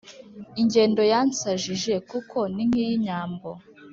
Igendo yansajije kuko nink’iyi inyambo